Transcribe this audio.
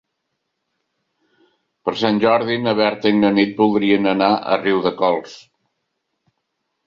Per Sant Jordi na Berta i na Nit voldrien anar a Riudecols.